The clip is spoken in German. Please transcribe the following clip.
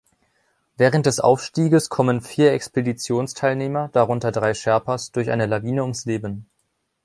Während des Aufstieges kommen vier Expeditionsteilnehmer, darunter drei Sherpas, durch eine Lawine ums Leben.